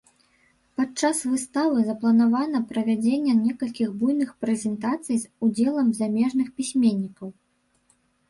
Падчас выставы запланавана правядзенне некалькіх буйных прэзентацый з удзелам замежных пісьменнікаў.